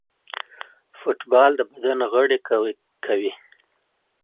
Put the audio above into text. فوټبال د بدن غړي قوي کوي.